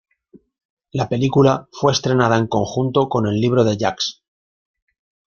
La película fue estrenada en conjunto con el libro de Jacques.